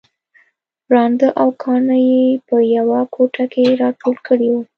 ړانده او کاڼه يې په يوه کوټه کې راټول کړي وو